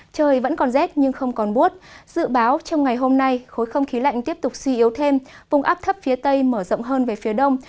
trong ngày hôm nay khối không khí lạnh tiếp tục suy yếu thêm vùng áp thấp phía tây mở rộng hơn về phía đông